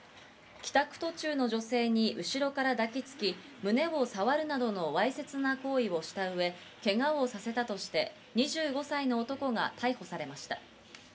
帰宅途中の女性に後ろから抱きつき、胸をさわるなどのわいせつな行為をしたうえ、けがをさせたとして２５歳の男が逮捕されました。